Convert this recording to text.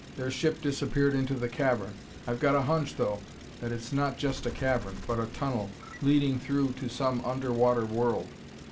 Their ship disappeared into the cavern. I've got a hunch, though, that it's not just a cavern, but a tunnel, leading through to some underwater world.